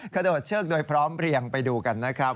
โดดเชือกโดยพร้อมเพลียงไปดูกันนะครับ